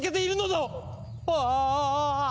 ああ！